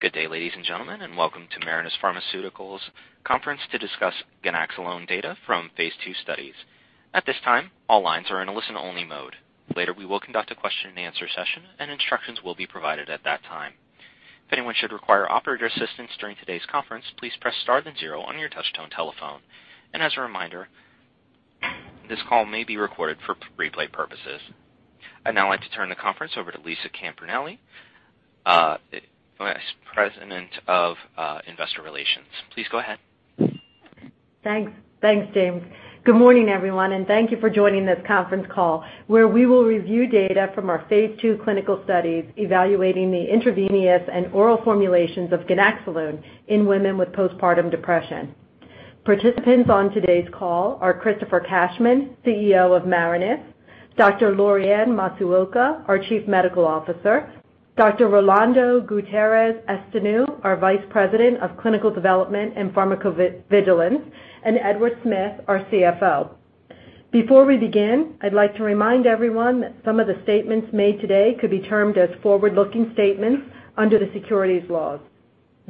Good day, ladies and gentlemen, welcome to Marinus Pharmaceuticals conference to discuss ganaxolone data from phase II studies. At this time, all lines are in a listen-only mode. Later, we will conduct a question and answer session, instructions will be provided at that time. If anyone should require operator assistance during today's conference, please press star then zero on your touchtone telephone. As a reminder, this call may be recorded for replay purposes. I'd now like to turn the conference over to Lisa Caperelli, President of Investor Relations. Please go ahead. Thanks. Thanks, James. Good morning, everyone, thank you for joining this conference call where we will review data from our phase II clinical studies evaluating the intravenous and oral formulations of ganaxolone in women with postpartum depression. Participants on today's call are Christopher Cashman, CEO of Marinus, Dr. Lorianne Masuoka, our Chief Medical Officer, Dr. Rolando Gutierrez Estanu, our Vice President of Clinical Development and Pharmacovigilance, Edward Smith, our CFO. Before we begin, I'd like to remind everyone that some of the statements made today could be termed as forward-looking statements under the securities laws.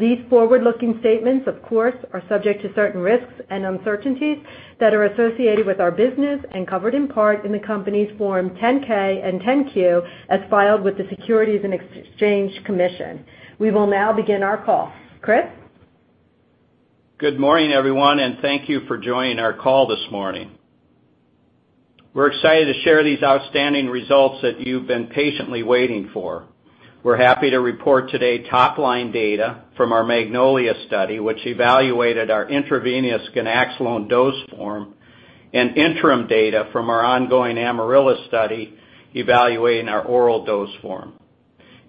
These forward-looking statements, of course, are subject to certain risks and uncertainties that are associated with our business and covered in part in the company's Form 10-K and 10-Q, as filed with the Securities and Exchange Commission. We will now begin our call. Chris? Good morning, everyone, thank you for joining our call this morning. We're excited to share these outstanding results that you've been patiently waiting for. We're happy to report today top-line data from our MAGNOLIA study, which evaluated our intravenous ganaxolone dose form and interim data from our ongoing AMARYLLIS study evaluating our oral dose form.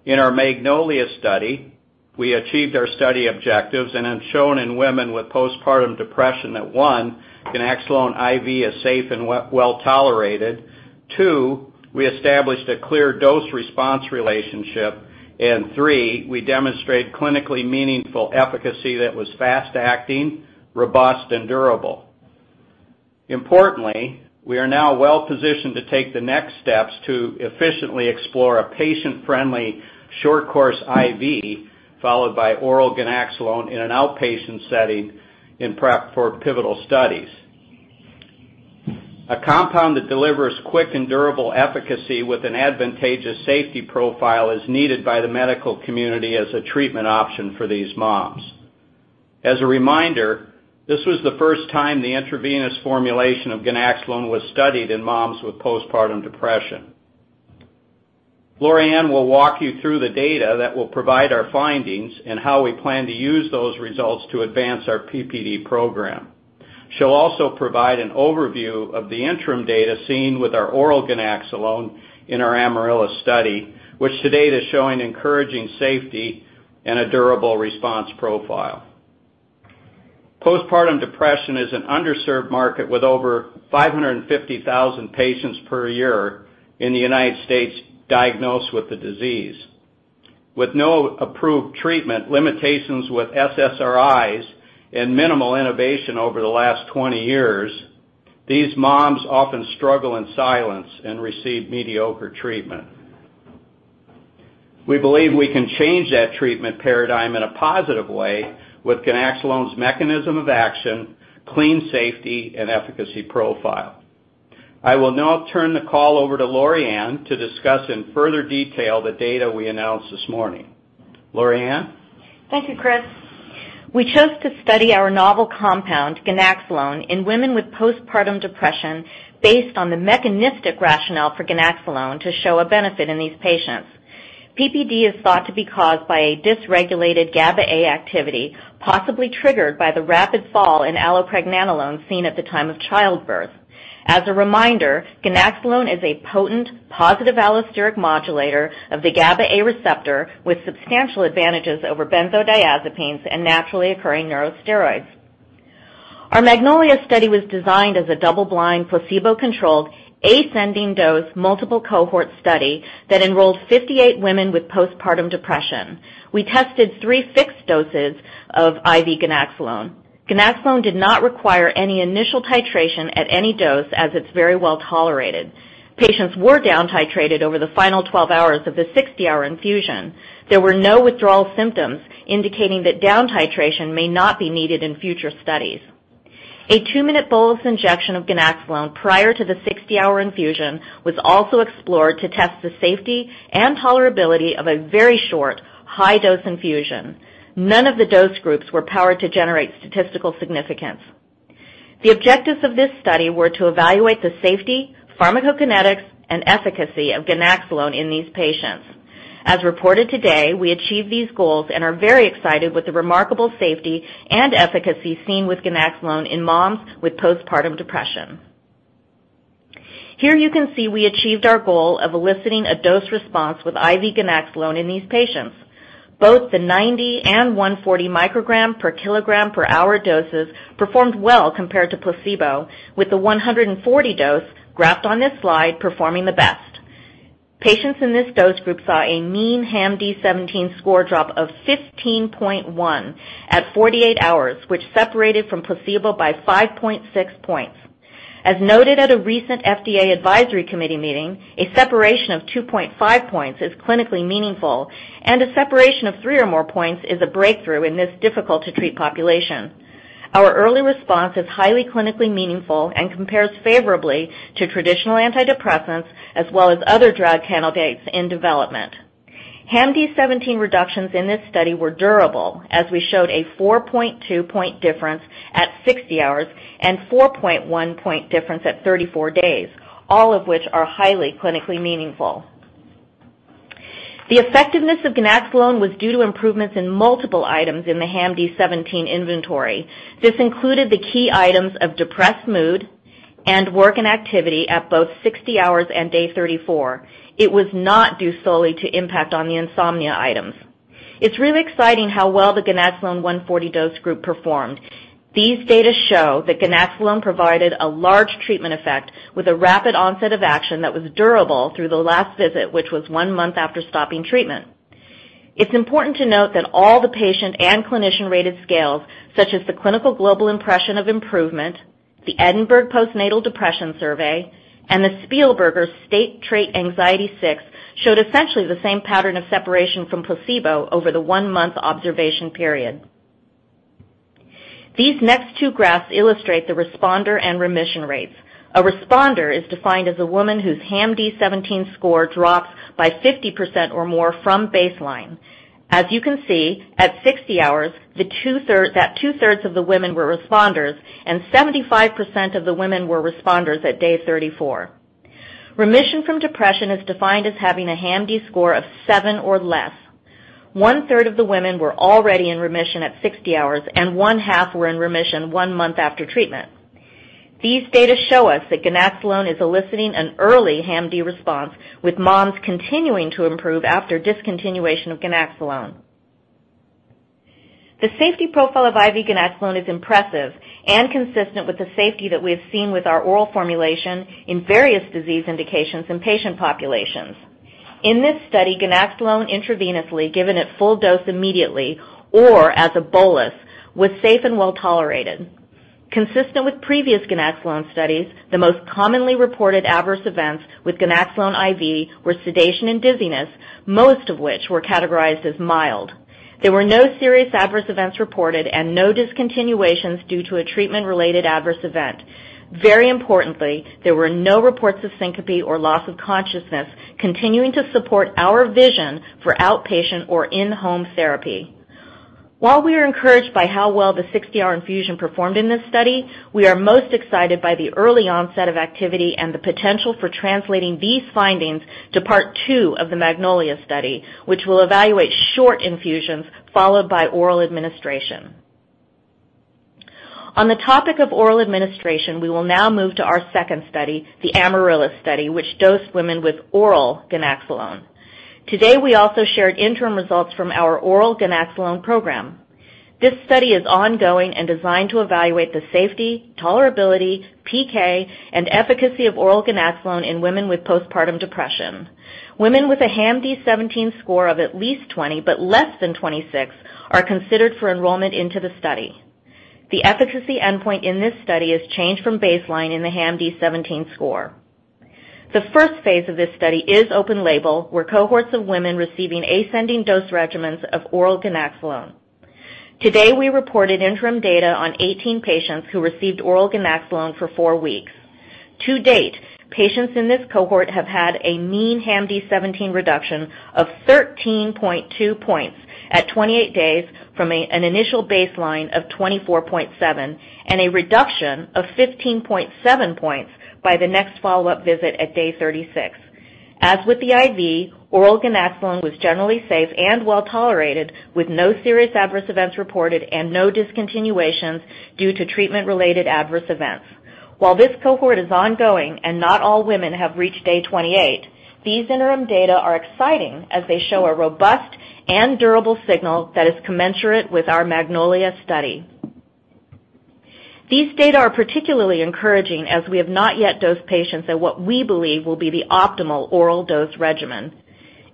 In our MAGNOLIA study, we achieved our study objectives and have shown in women with postpartum depression that, one, ganaxolone IV is safe and well-tolerated, two, we established a clear dose-response relationship, three, we demonstrate clinically meaningful efficacy that was fast-acting, robust, and durable. Importantly, we are now well-positioned to take the next steps to efficiently explore a patient-friendly short course IV followed by oral ganaxolone in an outpatient setting in prep for pivotal studies. A compound that delivers quick and durable efficacy with an advantageous safety profile is needed by the medical community as a treatment option for these moms. As a reminder, this was the first time the intravenous formulation of ganaxolone was studied in moms with postpartum depression. Lorianne will walk you through the data that will provide our findings and how we plan to use those results to advance our PPD program. She'll also provide an overview of the interim data seen with our oral ganaxolone in our AMARYLLIS study, which to date is showing encouraging safety and a durable response profile. Postpartum depression is an underserved market with over 550,000 patients per year in the U.S. diagnosed with the disease. With no approved treatment, limitations with SSRIs, minimal innovation over the last 20 years, these moms often struggle in silence and receive mediocre treatment. We believe we can change that treatment paradigm in a positive way with ganaxolone's mechanism of action, clean safety, and efficacy profile. I will now turn the call over to Lorianne to discuss in further detail the data we announced this morning. Lorianne? Thank you, Chris. We chose to study our novel compound, ganaxolone, in women with postpartum depression based on the mechanistic rationale for ganaxolone to show a benefit in these patients. PPD is thought to be caused by a dysregulated GABA A activity, possibly triggered by the rapid fall in allopregnanolone seen at the time of childbirth. As a reminder, ganaxolone is a potent positive allosteric modulator of the GABA A receptor with substantial advantages over benzodiazepines and naturally occurring neurosteroids. Our Magnolia study was designed as a double-blind, placebo-controlled, ascending dose, multiple cohort study that enrolled 58 women with postpartum depression. We tested three fixed doses of IV ganaxolone. Ganaxolone did not require any initial titration at any dose as it's very well tolerated. Patients were down-titrated over the final 12 hours of the 60-hour infusion. There were no withdrawal symptoms, indicating that down-titration may not be needed in future studies. A two-minute bolus injection of ganaxolone prior to the 60-hour infusion was also explored to test the safety and tolerability of a very short, high dose infusion. None of the dose groups were powered to generate statistical significance. The objectives of this study were to evaluate the safety, pharmacokinetics, and efficacy of ganaxolone in these patients. As reported today, we achieved these goals and are very excited with the remarkable safety and efficacy seen with ganaxolone in moms with postpartum depression. Here you can see we achieved our goal of eliciting a dose response with IV ganaxolone in these patients. Both the 90 and 140 microgram per kilogram per hour doses performed well compared to placebo, with the 140 dose graphed on this slide performing the best. Patients in this dose group saw a mean HAM-D17 score drop of 15.1 at 48 hours, which separated from placebo by 5.6 points. As noted at a recent FDA advisory committee meeting, a separation of 2.5 points is clinically meaningful, and a separation of three or more points is a breakthrough in this difficult to treat population. Our early response is highly clinically meaningful and compares favorably to traditional antidepressants, as well as other drug candidates in development. HAM-D17 reductions in this study were durable, as we showed a 4.2 point difference at 60 hours and 4.1 point difference at 34 days, all of which are highly clinically meaningful. The effectiveness of ganaxolone was due to improvements in multiple items in the HAM-D17 inventory. This included the key items of depressed mood and work and activity at both 60 hours and day 34. It was not due solely to impact on the insomnia items. It's really exciting how well the ganaxolone 140 dose group performed. These data show that ganaxolone provided a large treatment effect with a rapid onset of action that was durable through the last visit, which was one month after stopping treatment. It's important to note that all the patient and clinician-rated scales, such as the Clinical Global Impression of Improvement, the Edinburgh Postnatal Depression Scale, and the Spielberger State-Trait Anxiety Inventory six, showed essentially the same pattern of separation from placebo over the one-month observation period. These next two graphs illustrate the responder and remission rates. A responder is defined as a woman whose HAM-D17 score drops by 50% or more from baseline. As you can see, at 60 hours, that two-thirds of the women were responders and 75% of the women were responders at day 34. Remission from depression is defined as having a HAM-D score of seven or less. One-third of the women were already in remission at 60 hours, and one-half were in remission one month after treatment. These data show us that ganaxolone is eliciting an early HAM-D response with moms continuing to improve after discontinuation of ganaxolone. The safety profile of IV ganaxolone is impressive and consistent with the safety that we have seen with our oral formulation in various disease indications and patient populations. In this study, ganaxolone intravenously given at full dose immediately or as a bolus was safe and well tolerated. Consistent with previous ganaxolone studies, the most commonly reported adverse events with ganaxolone IV were sedation and dizziness, most of which were categorized as mild. There were no serious adverse events reported and no discontinuations due to a treatment-related adverse event. Very importantly, there were no reports of syncope or loss of consciousness continuing to support our vision for outpatient or in-home therapy. While we are encouraged by how well the 60-hour infusion performed in this study, we are most excited by the early onset of activity and the potential for translating these findings to Part Two of the Magnolia study, which will evaluate short infusions followed by oral administration. On the topic of oral administration, we will now move to our second study, the Amaryllis study, which dosed women with oral ganaxolone. Today, we also shared interim results from our oral ganaxolone program. This study is ongoing and designed to evaluate the safety, tolerability, PK, and efficacy of oral ganaxolone in women with postpartum depression. Women with a HAM-D17 score of at least 20, but less than 26 are considered for enrollment into the study. The efficacy endpoint in this study is changed from baseline in the HAM-D17 score. The first phase of this study is open label, where cohorts of women receiving ascending dose regimens of oral ganaxolone. Today, we reported interim data on 18 patients who received oral ganaxolone for four weeks. To date, patients in this cohort have had a mean HAM-D17 reduction of 13.2 points at 28 days from an initial baseline of 24.7 and a reduction of 15.7 points by the next follow-up visit at day 36. As with the IV, oral ganaxolone was generally safe and well tolerated with no serious adverse events reported and no discontinuations due to treatment-related adverse events. While this cohort is ongoing and not all women have reached day 28, these interim data are exciting as they show a robust and durable signal that is commensurate with our Magnolia study. These data are particularly encouraging as we have not yet dosed patients at what we believe will be the optimal oral dose regimen.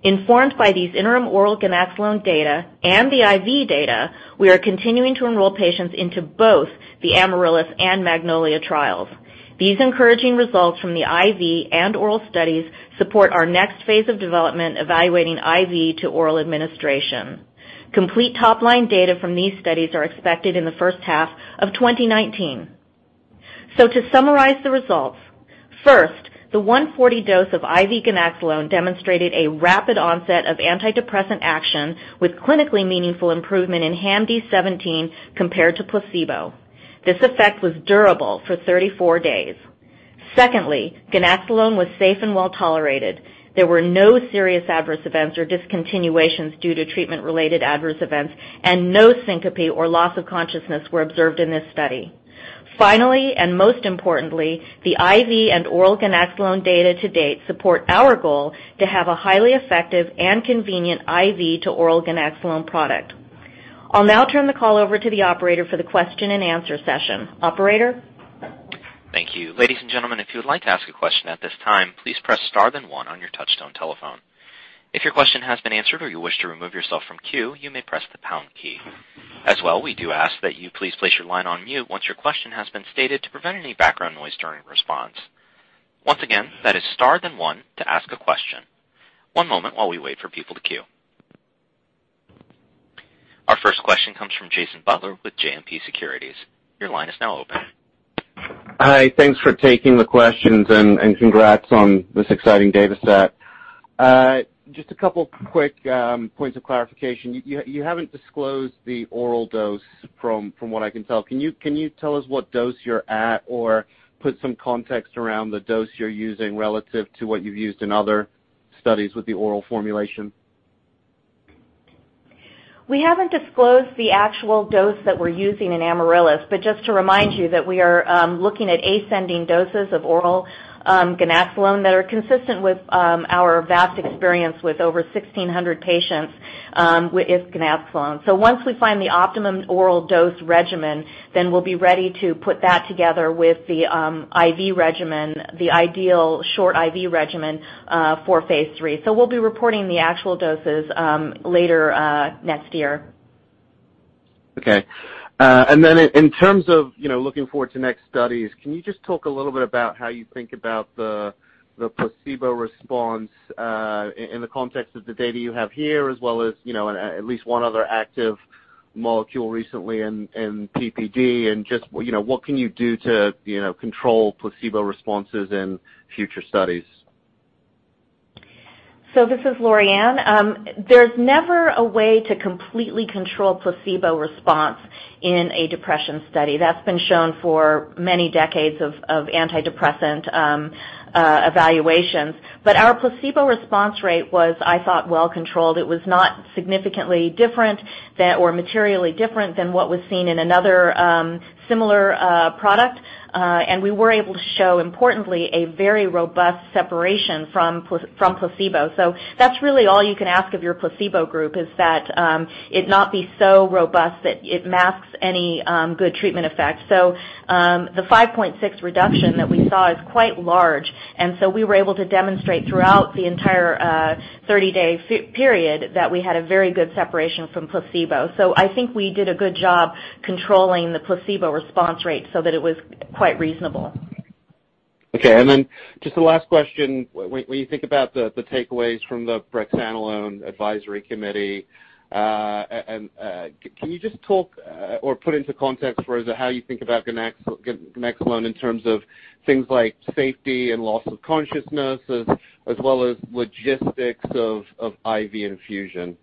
Informed by these interim oral ganaxolone data and the IV data, we are continuing to enroll patients into both the Amaryllis and Magnolia trials. These encouraging results from the IV and oral studies support our next phase of development evaluating IV to oral administration. Complete top-line data from these studies are expected in the first half of 2019. To summarize the results, First, the 140 dose of IV ganaxolone demonstrated a rapid onset of antidepressant action with clinically meaningful improvement in HAM-D17 compared to placebo. This effect was durable for 34 days. Secondly, ganaxolone was safe and well tolerated. There were no serious adverse events or discontinuations due to treatment-related adverse events and no syncope or loss of consciousness were observed in this study. Finally, most importantly, the IV and oral ganaxolone data to date support our goal to have a highly effective and convenient IV to oral ganaxolone product. I'll now turn the call over to the operator for the question and answer session. Operator? Thank you. Ladies and gentlemen, if you would like to ask a question at this time, please press star then one on your touchtone telephone. If your question has been answered or you wish to remove yourself from queue, you may press the pound key. As well, we do ask that you please place your line on mute once your question has been stated to prevent any background noise during response. Once again, that is star then one to ask a question. One moment while we wait for people to queue. Our first question comes from Jason Butler with JMP Securities. Your line is now open. Hi. Thanks for taking the questions, congrats on this exciting data set. Just a couple of quick points of clarification. You haven't disclosed the oral dose from what I can tell. Can you tell us what dose you're at or put some context around the dose you're using relative to what you've used in other studies with the oral formulation? We haven't disclosed the actual dose that we're using in Amaryllis, but just to remind you that we are looking at ascending doses of oral ganaxolone that are consistent with our vast experience with over 1,600 patients with IV ganaxolone. Once we find the optimum oral dose regimen, then we'll be ready to put that together with the IV regimen, the ideal short IV regimen, for phase III. We'll be reporting the actual doses later next year. Okay. In terms of looking forward to next studies, can you just talk a little bit about how you think about the placebo response in the context of the data you have here, as well as at least one other active molecule recently in PPD and just what can you do to control placebo responses in future studies? This is Lorianne. There's never a way to completely control placebo response in a depression study. That's been shown for many decades of antidepressant evaluations. Our placebo response rate was, I thought, well controlled. It was not significantly different or materially different than what was seen in another similar product. We were able to show, importantly, a very robust separation from placebo. That's really all you can ask of your placebo group, is that it not be so robust that it masks any good treatment effect. The 5.6 reduction that we saw is quite large, and so we were able to demonstrate throughout the entire 30-day period that we had a very good separation from placebo. I think we did a good job controlling the placebo response rate so that it was quite reasonable. Okay. Just the last question, when you think about the takeaways from the brexanolone advisory committee, can you just talk or put into context how you think about ganaxolone in terms of things like safety and loss of consciousness as well as logistics of IV infusion?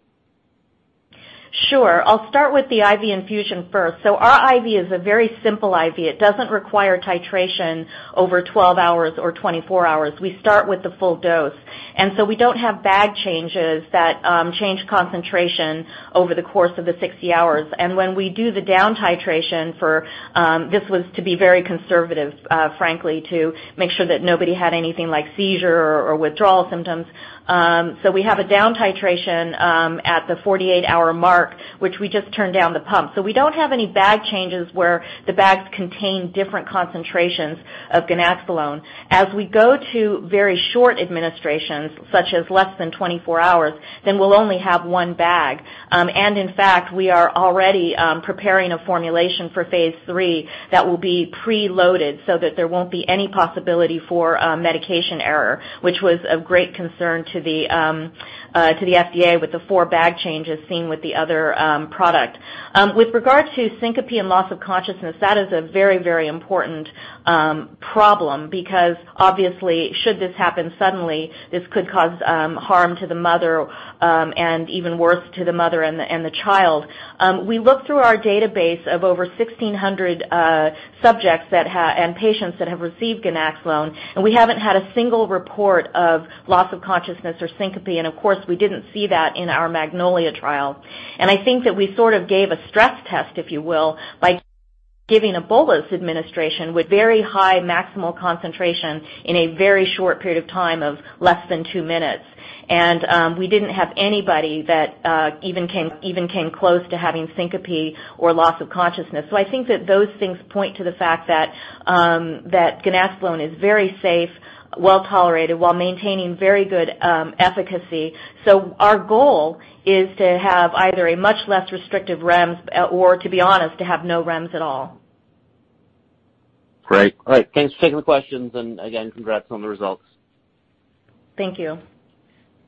Sure. I'll start with the IV infusion first. Our IV is a very simple IV. It doesn't require titration over 12 hours or 24 hours. We start with the full dose. We don't have bag changes that change concentration over the course of the 60 hours. When we do the down titration for this was to be very conservative, frankly, to make sure that nobody had anything like seizure or withdrawal symptoms. We have a down titration at the 48-hour mark, which we just turned down the pump. We don't have any bag changes where the bags contain different concentrations of ganaxolone. As we go to very short administrations, such as less than 24 hours, we'll only have one bag. In fact, we are already preparing a formulation for phase III that will be preloaded so that there won't be any possibility for medication error, which was of great concern to the FDA with the four bag changes seen with the other product. With regard to syncope and loss of consciousness, that is a very, very important problem because obviously should this happen suddenly, this could cause harm to the mother, and even worse, to the mother and the child. We looked through our database of over 1,600 subjects and patients that have received ganaxolone, and we haven't had a single report of loss of consciousness or syncope, and of course, we didn't see that in our MAGNOLIA trial. I think that we sort of gave a stress test, if you will, by giving a bolus administration with very high maximal concentration in a very short period of time of less than two minutes. We didn't have anybody that even came close to having syncope or loss of consciousness. I think that those things point to the fact that ganaxolone is very safe, well-tolerated while maintaining very good efficacy. Our goal is to have either a much less restrictive REMS or, to be honest, to have no REMS at all. Great. All right. Thanks for taking the questions, again, congrats on the results. Thank you.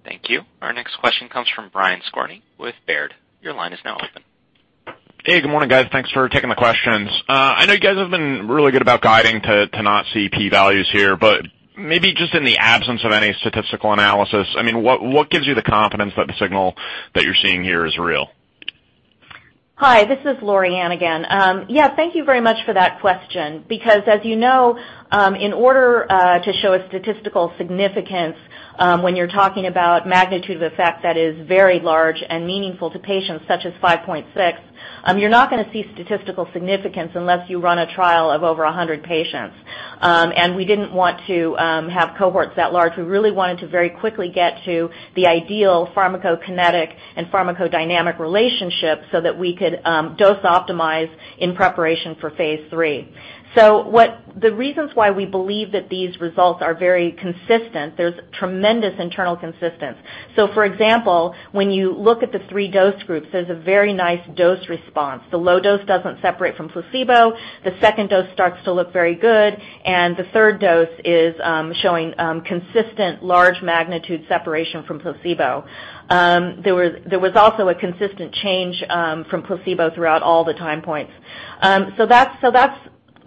Thank you. Our next question comes from Brian Skorney with Baird. Your line is now open. Hey, good morning, guys. Thanks for taking the questions. I know you guys have been really good about guiding to not see P values here, but maybe just in the absence of any statistical analysis, what gives you the confidence that the signal that you're seeing here is real? Hi, this is Loriann again. Thank you very much for that question. As you know, in order to show a statistical significance when you're talking about magnitude of effect that is very large and meaningful to patients such as 5.6, you're not going to see statistical significance unless you run a trial of over 100 patients. We didn't want to have cohorts that large. We really wanted to very quickly get to the ideal pharmacokinetic and pharmacodynamic relationship so that we could dose optimize in preparation for phase III. The reasons why we believe that these results are very consistent, there's tremendous internal consistency. For example, when you look at the three dose groups, there's a very nice dose response. The low dose doesn't separate from placebo. The second dose starts to look very good, and the third dose is showing consistent large magnitude separation from placebo. There was also a consistent change from placebo throughout all the time points. That's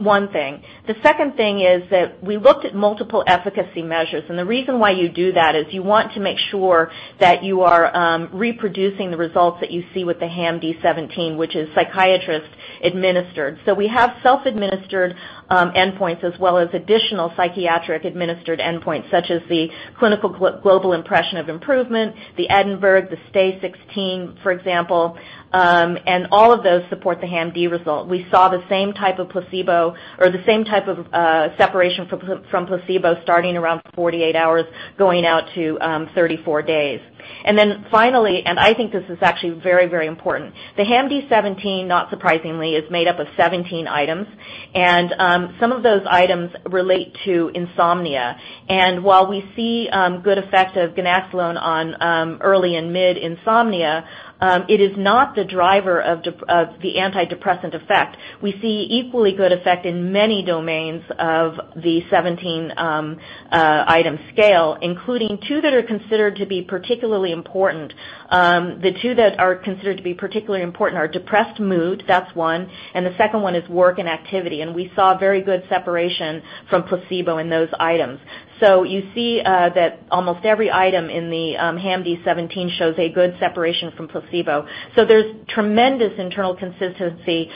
one thing. The second thing is that we looked at multiple efficacy measures, and the reason why you do that is you want to make sure that you are reproducing the results that you see with the HAM-D17, which is psychiatrist administered. We have self-administered endpoints as well as additional psychiatric administered endpoints, such as the Clinical Global Impression of Improvement, the Edinburgh, the STAI-6, for example, and all of those support the HAM-D result. We saw the same type of separation from placebo starting around 48 hours, going out to 34 days. Finally, and I think this is actually very important. The HAM-D17, not surprisingly, is made up of 17 items, and some of those items relate to insomnia. While we see good effect of ganaxolone on early and mid insomnia, it is not the driver of the antidepressant effect. We see equally good effect in many domains of the 17 item scale, including two that are considered to be particularly important. The two that are considered to be particularly important are depressed mood, that's one, and the second one is work and activity, and we saw very good separation from placebo in those items. You see that almost every item in the HAM-D17 shows a good separation from placebo. There's tremendous internal consistency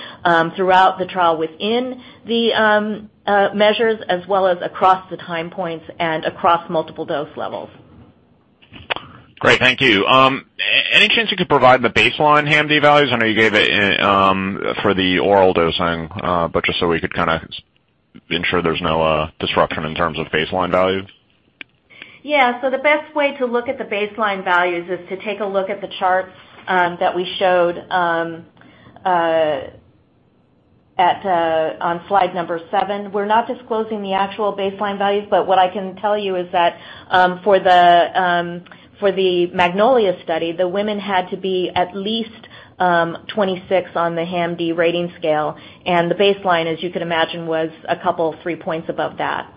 throughout the trial within the measures as well as across the time points and across multiple dose levels. Great. Thank you. Any chance you could provide the baseline HAM-D values? I know you gave it for the oral dosing, but just so we could ensure there's no disruption in terms of baseline values. Yeah. The best way to look at the baseline values is to take a look at the charts that we showed on slide number seven. We're not disclosing the actual baseline values, but what I can tell you is that for the MAGNOLIA study, the women had to be at least 26 on the HAM-D rating scale, and the baseline, as you could imagine, was a couple, three points above that.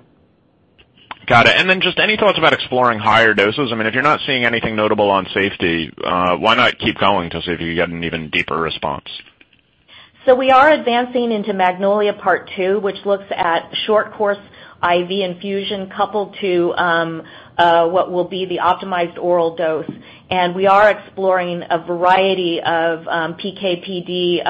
Got it. Just any thoughts about exploring higher doses? If you're not seeing anything notable on safety, why not keep going to see if you get an even deeper response? We are advancing into MAGNOLIA Part Two, which looks at short course IV infusion coupled to what will be the optimized oral dose. We are exploring a variety of PK/PD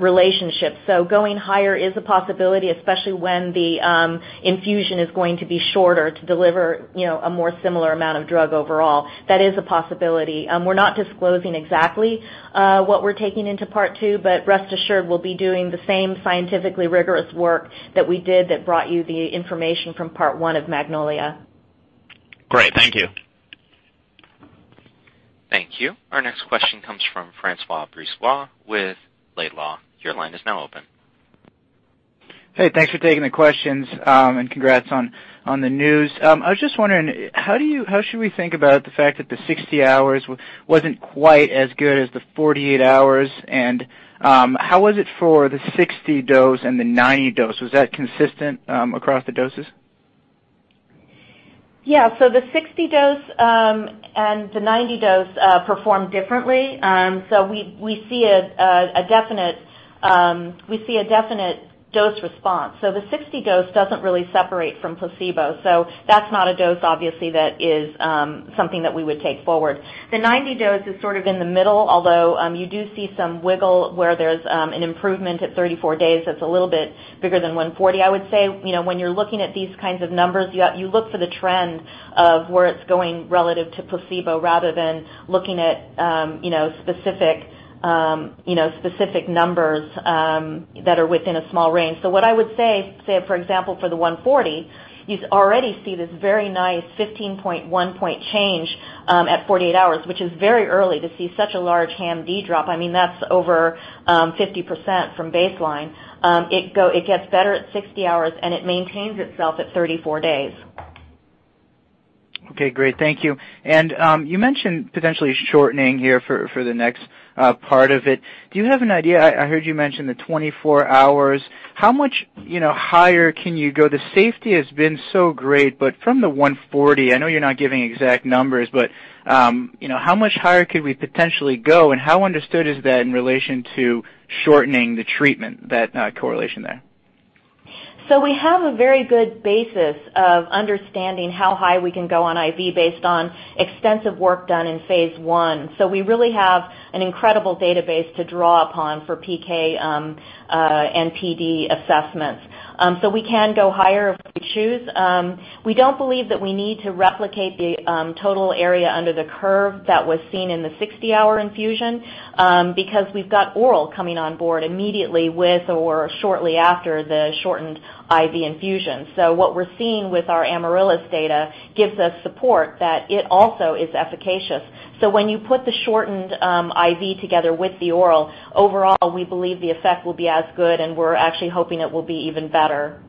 relationships. Going higher is a possibility, especially when the infusion is going to be shorter to deliver a more similar amount of drug overall. That is a possibility. We're not disclosing exactly what we're taking into Part Two, but rest assured, we'll be doing the same scientifically rigorous work that we did that brought you the information from Part One of MAGNOLIA. Great. Thank you. Thank you. Our next question comes from Francois Brisebois with Laidlaw. Your line is now open. Hey, thanks for taking the questions, and congrats on the news. I was just wondering, how should we think about the fact that the 60 hours wasn't quite as good as the 48 hours? How was it for the 60 dose and the 90 dose? Was that consistent across the doses? Yeah. The 60 dose and the 90 dose performed differently. We see a definite dose response. The 60 dose doesn't really separate from placebo, so that's not a dose, obviously, that is something that we would take forward. The 90 dose is sort of in the middle, although you do see some wiggle where there's an improvement at 34 days that's a little bit bigger than 140, I would say. When you're looking at these kinds of numbers, you look for the trend of where it's going relative to placebo rather than looking at specific numbers that are within a small range. What I would say, for example, for the 140, you already see this very nice 15.1 point change at 48 hours, which is very early to see such a large HAM-D drop. That's over 50% from baseline. It gets better at 60 hours, and it maintains itself at 34 days. Okay, great. Thank you. You mentioned potentially shortening here for the next part of it. Do you have an idea? I heard you mention the 24 hours. How much higher can you go? The safety has been so great, but from the 140, I know you're not giving exact numbers, but how much higher could we potentially go, and how understood is that in relation to shortening the treatment, that correlation there? We have a very good basis of understanding how high we can go on IV based on extensive work done in phase I. We really have an incredible database to draw upon for PK and PD assessments. We can go higher if we choose. We don't believe that we need to replicate the total area under the curve that was seen in the 60-hour infusion, because we've got oral coming on board immediately with or shortly after the shortened IV infusion. What we're seeing with our Amaryllis data gives us support that it also is efficacious. When you put the shortened IV together with the oral, overall, we believe the effect will be as good, and we're actually hoping it will be even better.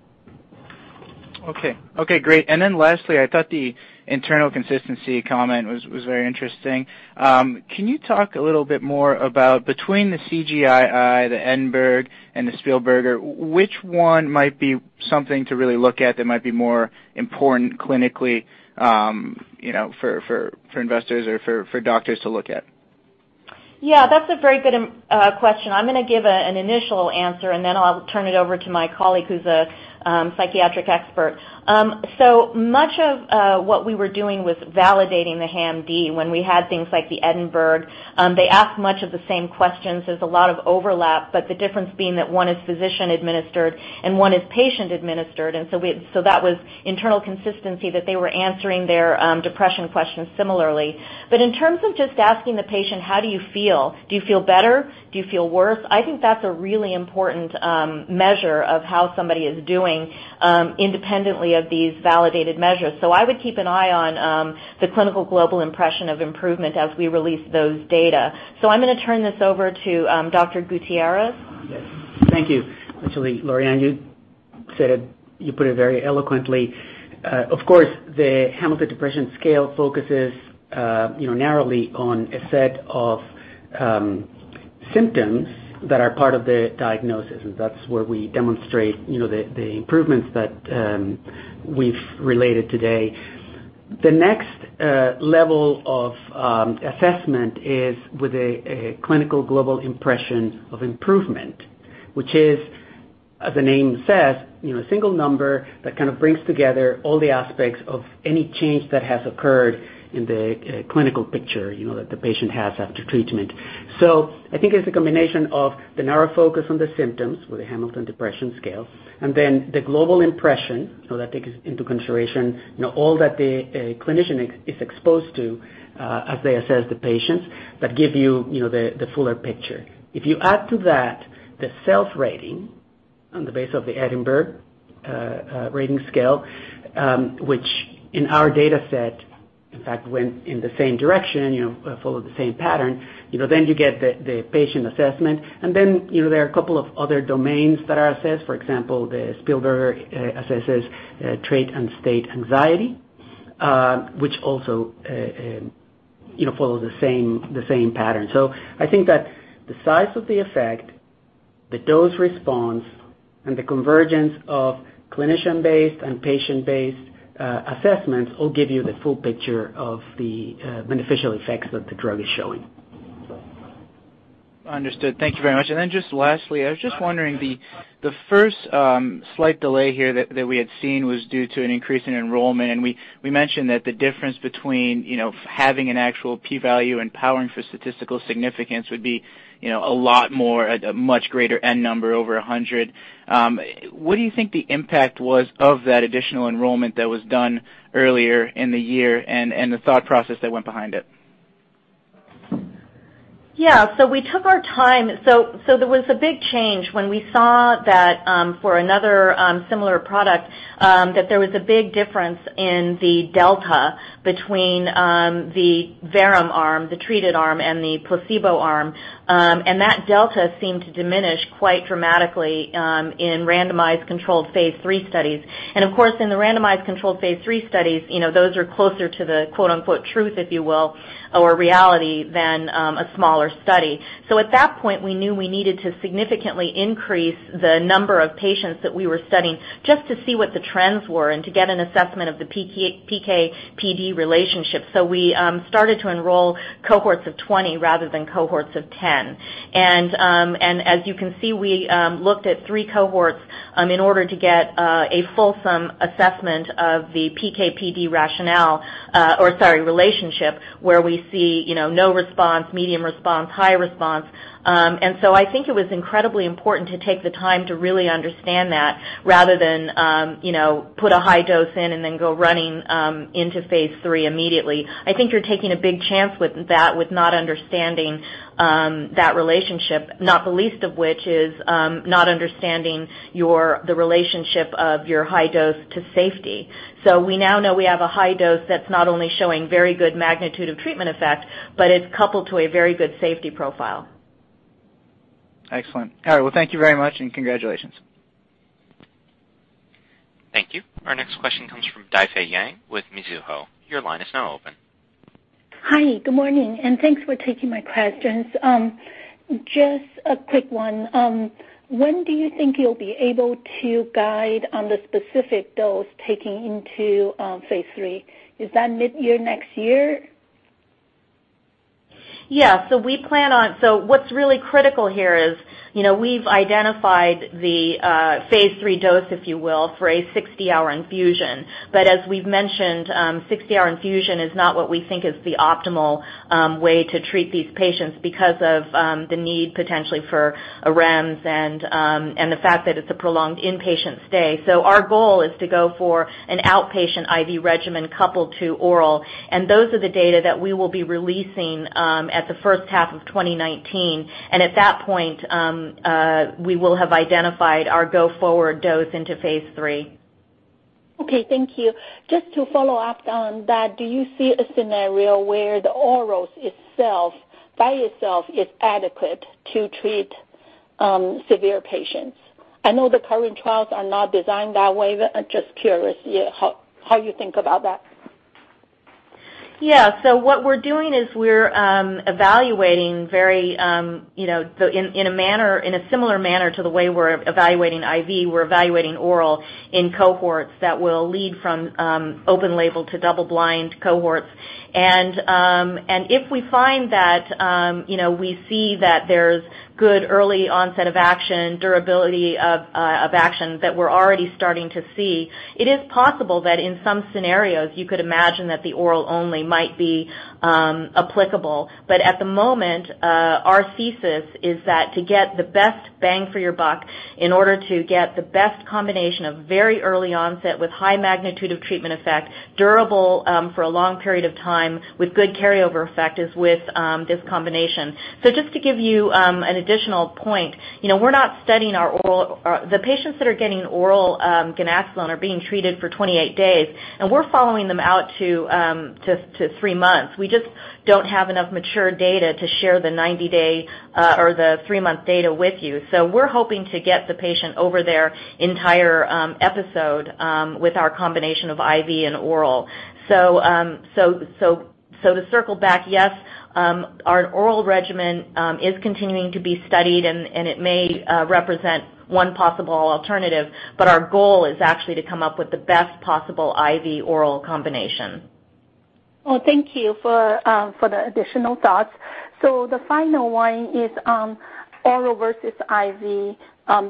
Okay. Okay, great. Lastly, I thought the internal consistency comment was very interesting. Can you talk a little bit more about between the CGI-I, the Edinburgh, and the Spielberger, which one might be something to really look at that might be more important clinically for investors or for doctors to look at? Yeah, that's a very good question. I'm going to give an initial answer, and then I'll turn it over to my colleague who's a psychiatric expert. Much of what we were doing was validating the HAM-D when we had things like the Edinburgh. They ask many of the same questions. There's a lot of overlap, but the difference being that one is physician-administered and one is patient-administered. That was internal consistency that they were answering their depression questions similarly. In terms of just asking the patient, "How do you feel? Do you feel better? Do you feel worse?" I think that's a really important measure of how somebody is doing, independently of these validated measures. I would keep an eye on the Clinical Global Impression of Improvement as we release those data. I'm going to turn this over to Dr. Gutierrez. Yes. Thank you. Actually, Lorianne, you put it very eloquently. Of course, the Hamilton Depression Scale focuses narrowly on a set of symptoms that are part of the diagnosis, and that's where we demonstrate the improvements that we've related today. The next level of assessment is with a Clinical Global Impression of Improvement, which is, as the name says, a single number that kind of brings together all the aspects of any change that has occurred in the clinical picture that the patient has after treatment. I think it's a combination of the narrow focus on the symptoms with the Hamilton Depression Scale and then the global impression. That takes into consideration all that the clinician is exposed to as they assess the patients that give you the fuller picture. If you add to that the self-rating on the base of the Edinburgh Rating Scale, which in our dataset, in fact, went in the same direction, followed the same pattern, then you get the patient assessment. There are a couple of other domains that are assessed. For example, the Spielberger assesses trait and state anxiety, which also follows the same pattern. I think that the size of the effect, the dose response, and the convergence of clinician-based and patient-based assessments will give you the full picture of the beneficial effects that the drug is showing. Understood. Thank you very much. Just lastly, I was just wondering, the first slight delay here that we had seen was due to an increase in enrollment, and we mentioned that the difference between having an actual p-value and powering for statistical significance would be a lot more, at a much greater N number, over 100. What do you think the impact was of that additional enrollment that was done earlier in the year and the thought process that went behind it? Yeah. We took our time. There was a big change when we saw that for another similar product, that there was a big difference in the delta between the verum arm, the treated arm, and the placebo arm. Of course, in the randomized controlled phase III studies, those are closer to the quote, unquote, "truth," if you will, or reality than a smaller study. At that point, we knew we needed to significantly increase the number of patients that we were studying just to see what the trends were and to get an assessment of the PK-PD relationship. We started to enroll cohorts of 20 rather than cohorts of 10. As you can see, we looked at three cohorts in order to get a fulsome assessment of the PK-PD rationale, or sorry, relationship, where we see no response, medium response, high response. I think it was incredibly important to take the time to really understand that rather than put a high dose in and then go running into phase III immediately. I think you're taking a big chance with that, with not understanding that relationship, not the least of which is not understanding the relationship of your high dose to safety. We now know we have a high dose that's not only showing very good magnitude of treatment effect, but it's coupled to a very good safety profile. Excellent. All right. Well, thank you very much, and congratulations. Thank you. Our next question comes from Difei Yang with Mizuho. Your line is now open. Hi. Good morning, thanks for taking my questions. Just a quick one. When do you think you'll be able to guide on the specific dose taking into phase III? Is that mid-year next year? Yeah. What's really critical here is, we've identified the phase III dose, if you will, for a 60-hour infusion. As we've mentioned, 60-hour infusion is not what we think is the optimal way to treat these patients because of the need, potentially, for a REMS and the fact that it's a prolonged inpatient stay. Our goal is to go for an outpatient IV regimen coupled to oral. Those are the data that we will be releasing at the first half of 2019. At that point, we will have identified our go-forward dose into phase III. Okay, thank you. Just to follow up on that, do you see a scenario where the orals by itself is adequate to treat severe patients? I know the current trials are not designed that way, but I'm just curious how you think about that. Yeah. What we're doing is we're evaluating in a similar manner to the way we're evaluating IV. We're evaluating oral in cohorts that will lead from open label to double blind cohorts. If we find that we see that there's good early onset of action, durability of action that we're already starting to see, it is possible that in some scenarios you could imagine that the oral only might be applicable. At the moment, our thesis is that to get the best bang for your buck, in order to get the best combination of very early onset with high magnitude of treatment effect, durable for a long period of time with good carryover effect, is with this combination. Just to give you an additional point, the patients that are getting oral ganaxolone are being treated for 28 days, and we're following them out to three months. We just don't have enough mature data to share the 90-day or the three-month data with you. We're hoping to get the patient over their entire episode with our combination of IV and oral. To circle back, yes, our oral regimen is continuing to be studied and it may represent one possible alternative. Our goal is actually to come up with the best possible IV oral combination. Well, thank you for the additional thoughts. The final one is oral versus IV.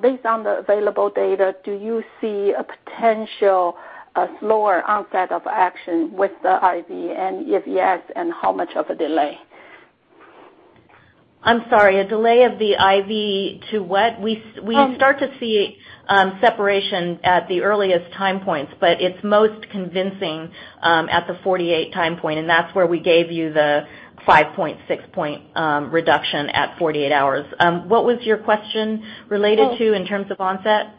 Based on the available data, do you see a potential slower onset of action with the IV, and if yes, how much of a delay? I'm sorry, a delay of the IV to what? Oh. We start to see separation at the earliest time points, it's most convincing at the 48 time point, that's where we gave you the 5.6 point reduction at 48 hours. What was your question related to in terms of onset?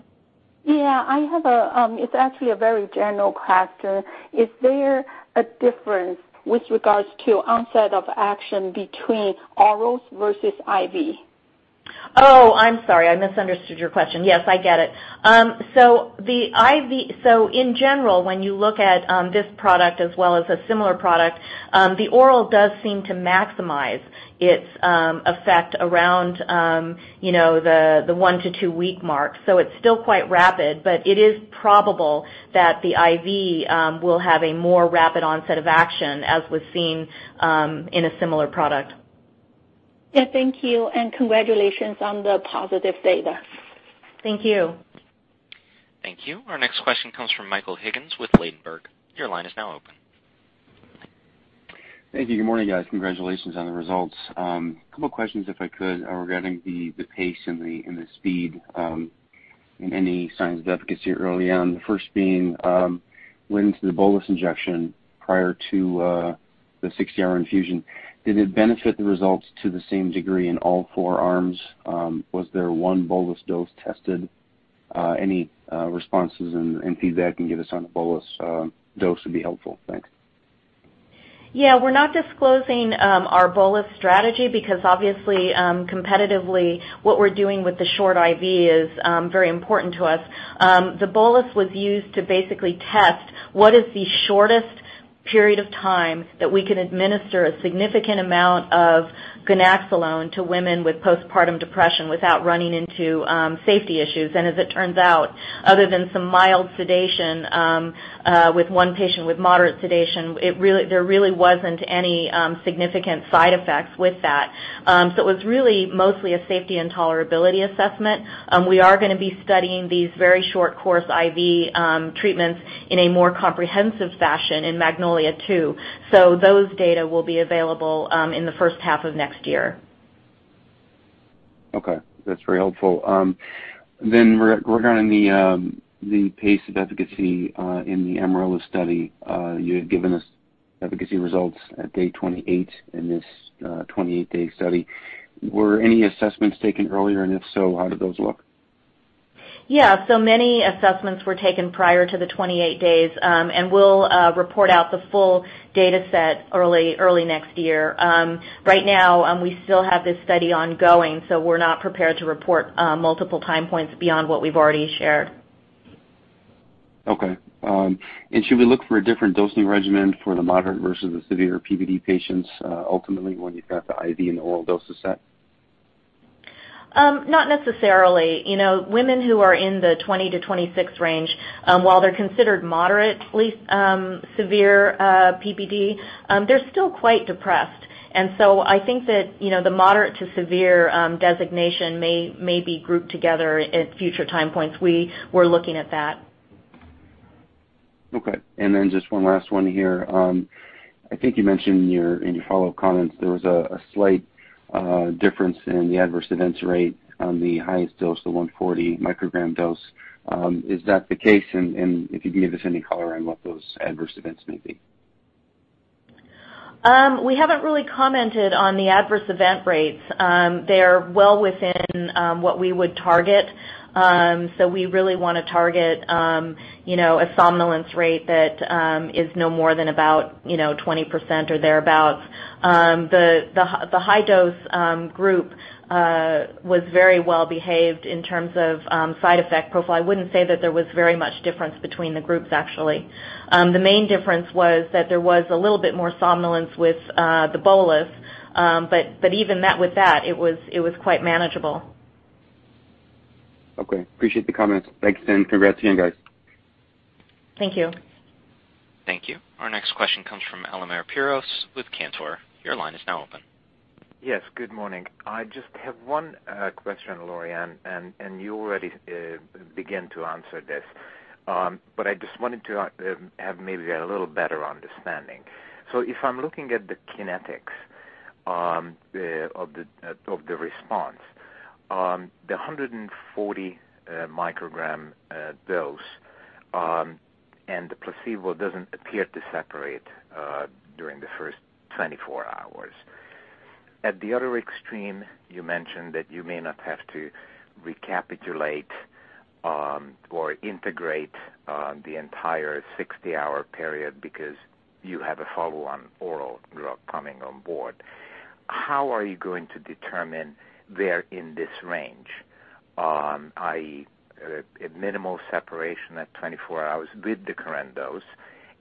Yeah, it's actually a very general question. Is there a difference with regards to onset of action between orals versus IV? I'm sorry, I misunderstood your question. Yes, I get it. In general, when you look at this product as well as a similar product, the oral does seem to maximize its effect around the one- to two-week mark. It's still quite rapid, it is probable that the IV will have a more rapid onset of action as was seen in a similar product. Yeah. Thank you. Congratulations on the positive data. Thank you. Thank you. Our next question comes from Michael Higgins with Ladenburg. Your line is now open. Thank you. Good morning, guys. Congratulations on the results. Couple questions, if I could, regarding the pace and the speed, and any signs of efficacy early on. The first being, went into the bolus injection prior to the 60-hour infusion. Did it benefit the results to the same degree in all four arms? Was there one bolus dose tested? Any responses and feedback you can give us on the bolus dose would be helpful. Thanks. Yeah. We're not disclosing our bolus strategy because obviously, competitively, what we're doing with the short IV is very important to us. The bolus was used to basically test what is the shortest period of time that we can administer a significant amount of ganaxolone to women with postpartum depression without running into safety issues. As it turns out, other than some mild sedation, with one patient with moderate sedation, there really wasn't any significant side effects with that. It was really mostly a safety and tolerability assessment. We are going to be studying these very short course IV treatments in a more comprehensive fashion in Magnolia II, so those data will be available in the first half of next year. Okay, that's very helpful. Regarding the pace of efficacy in the Amaryllis study, you had given us efficacy results at day 28 in this 28-day study. Were any assessments taken earlier, and if so, how did those look? Yeah. Many assessments were taken prior to the 28 days. We'll report out the full data set early next year. Right now, we still have this study ongoing, so we're not prepared to report multiple time points beyond what we've already shared. Okay. Should we look for a different dosing regimen for the moderate versus the severe PPD patients, ultimately, when you've got the IV and the oral doses set? Not necessarily. Women who are in the 20-26 range, while they're considered moderately severe PPD, they're still quite depressed. I think that the moderate to severe designation may be grouped together at future time points. We were looking at that. Okay. Just one last one here. I think you mentioned in your follow comments there was a slight difference in the adverse events rate on the highest dose, the 140 microgram dose. Is that the case? If you could give us any color on what those adverse events may be. We haven't really commented on the adverse event rates. They are well within what we would target. We really want to target a somnolence rate that is no more than about 20% or thereabout. The high dose group was very well behaved in terms of side effect profile. I wouldn't say that there was very much difference between the groups, actually. The main difference was that there was a little bit more somnolence with the bolus. Even with that, it was quite manageable. Okay. Appreciate the comments. Thanks, and congrats again, guys. Thank you. Thank you. Our next question comes from Elemer Piros with Cantor. Your line is now open. Yes, good morning. I just have one question, Loriann, and you already began to answer this. I just wanted to have maybe a little better understanding. If I'm looking at the kinetics of the response, the 140 microgram dose and the placebo doesn't appear to separate during the first 24 hours. At the other extreme, you mentioned that you may not have to recapitulate or integrate the entire 60-hour period because you have a follow-on oral drug coming on board. How are you going to determine they're in this range? I.e., minimal separation at 24 hours with the current dose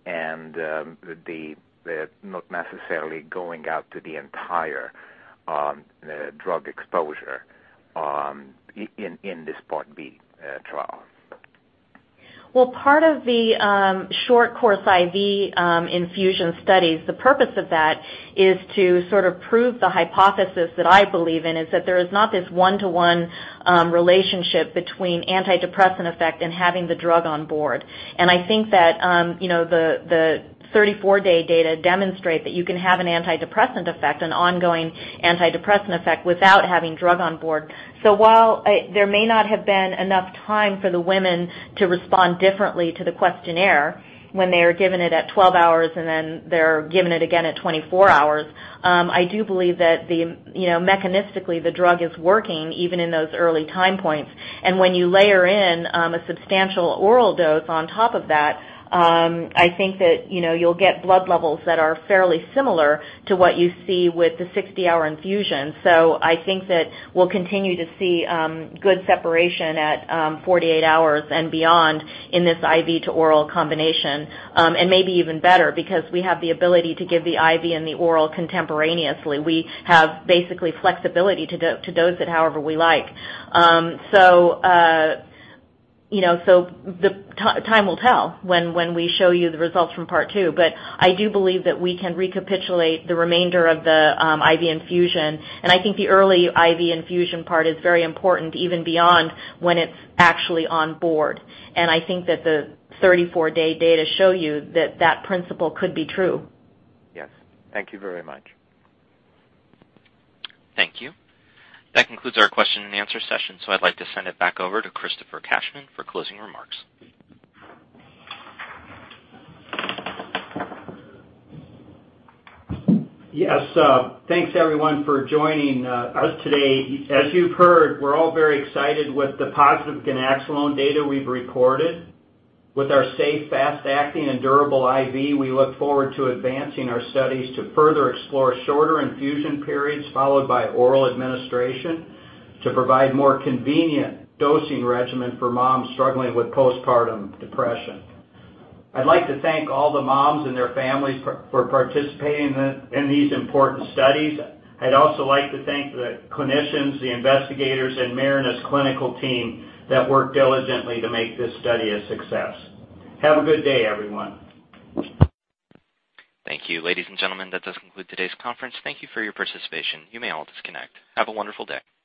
and not necessarily going out to the entire drug exposure in this Part B trial. Part of the short course IV infusion studies, the purpose of that is to sort of prove the hypothesis that I believe in, is that there is not this one-to-one relationship between antidepressant effect and having the drug on board. I think that the 34-day data demonstrate that you can have an antidepressant effect, an ongoing antidepressant effect, without having drug on board. While there may not have been enough time for the women to respond differently to the questionnaire when they are given it at 12 hours and then they're given it again at 24 hours, I do believe that mechanistically the drug is working even in those early time points. When you layer in a substantial oral dose on top of that, I think that you'll get blood levels that are fairly similar to what you see with the 60-hour infusion. I think that we'll continue to see good separation at 48 hours and beyond in this IV to oral combination. Maybe even better because we have the ability to give the IV and the oral contemporaneously. We have flexibility to dose it however we like. Time will tell when we show you the results from Part Two. I do believe that we can recapitulate the remainder of the IV infusion, and I think the early IV infusion part is very important even beyond when it's actually on board. I think that the 34-day data show you that principle could be true. Yes. Thank you very much. Thank you. That concludes our question and answer session. I'd like to send it back over to Christopher Cashman for closing remarks. Yes, thanks everyone for joining us today. As you've heard, we're all very excited with the positive ganaxolone data we've reported. With our safe, fast-acting, and durable IV, we look forward to advancing our studies to further explore shorter infusion periods followed by oral administration to provide more convenient dosing regimen for moms struggling with postpartum depression. I'd like to thank all the moms and their families for participating in these important studies. I'd also like to thank the clinicians, the investigators, and Marinus clinical team that worked diligently to make this study a success. Have a good day, everyone. Thank you. Ladies and gentlemen, that does conclude today's conference. Thank you for your participation. You may all disconnect. Have a wonderful day.